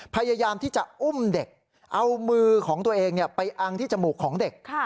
พยายามที่จะอุ้มเด็กเอามือของตัวเองไปอังที่จมูกของเด็ก